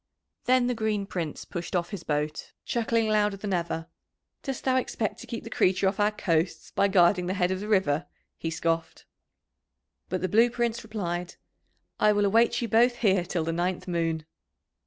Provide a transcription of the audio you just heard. Then the Green Prince pushed off his boat, chuckling louder than ever. "Dost thou expect to keep the creature off our coasts by guarding the head of the river?" he scoffed. But the Blue Prince replied, "I will await you both here till the ninth moon."